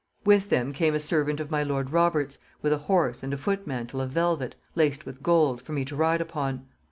With them came a servant of my lord Robert's with a horse and foot mantle of velvet, laced with gold, for me to ride upon.